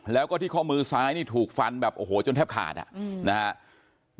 แล้วก็ที่ข้อมือซ้ายนี่ถูกฟันแบบโอ้โหจนแทบขาดอ่ะนะครับ